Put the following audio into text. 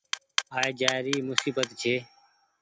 آئي جآئي موسيبت ڇي۔